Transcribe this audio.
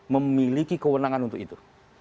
memiliki kewenangan untuk itu